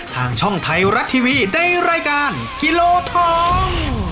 ทางช่องไทยรัฐทีวีในรายการกิโลทอง